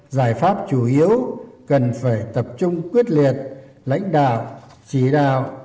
giải pháp chủ yếu cần phải tập trung quyết liệt lãnh đạo chỉ đạo